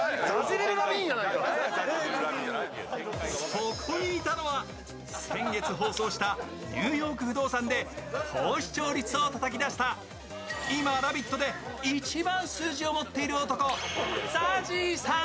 そこにいたのは、先月放送した「ニューヨーク不動産」で高視聴率をたたき出した今、「ラヴィット！」で一番数字を持っている男、ＺＡＺＹさん。